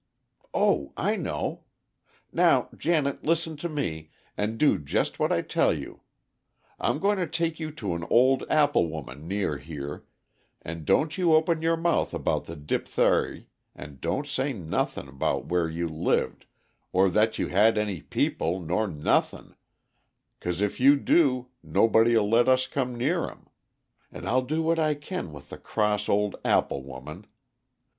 Oh, I know! Now, Janet, listen to me, and do just what I tell you. I'm going to take you to an old apple woman near here, and don't you open your mouth about the dipthery, and don't say nothin' 'bout where you lived or that you had any people, nor nothin', 'cause if you do nobody 'll let us come near 'em; and I'll do what I can with the cross old apple woman.